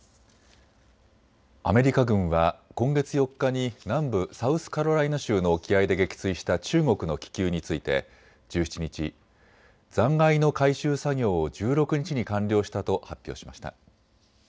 アメリカ軍は今月４日に南部サウスカロライナ州の沖合で撃墜した中国の気球について１７日、残骸の回収作業を１６日に完了したと発表しました。